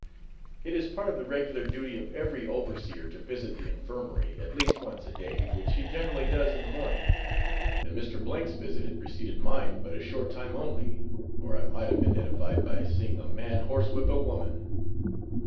It is part of the regular duty of every overseer to visit the infirmary at least once a day, which he generally does in the morning, and Mr. O 's visit had preceded mine but a short time only, or I might have been edified by seeing a man horsewhip a woman.